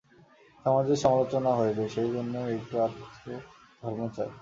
সমাজে সমালোচনা হইবে, সেই জন্যই একটু-আধটু ধর্ম চাই।